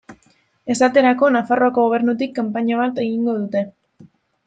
Esaterako Nafarroako Gobernutik kanpaina bat egingo dute.